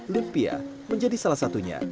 lumpia menjadi salah satunya